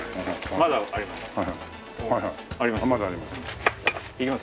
まだあります。